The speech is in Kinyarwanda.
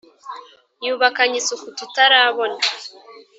yubakany' isuku tutarabona.